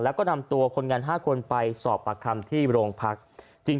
แล้วก็นำตัวคนงาน๕คนไปสอบปากคำที่โรงพัก